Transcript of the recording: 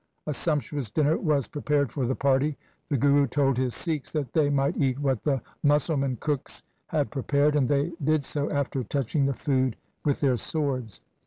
A sumptuous dinner was pre pared for the party. The Guru told his Sikhs that they might eat what the Musalman cooks had prepared, and they did so after touching the food LIFE OF GURU GOBIND SINGH 193 with their swords.